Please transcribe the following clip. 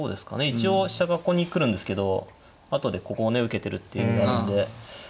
一応飛車がここに来るんですけど後でここをね受けてるって意味があるので。